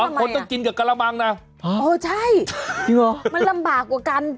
มันต้องกินกับกำลวง